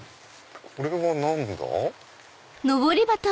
これは何だ？